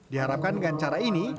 diharapkan dengan cara ini